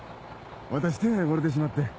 私手が汚れてしまって。